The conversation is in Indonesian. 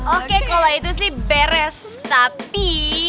oke kalau itu sih beres tapi